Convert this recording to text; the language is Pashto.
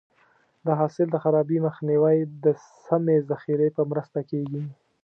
د حاصل د خرابي مخنیوی د سمې ذخیرې په مرسته کېږي.